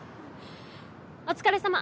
お疲れさま！